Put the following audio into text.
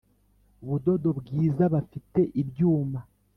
Budodo bwiza bafite ibyuma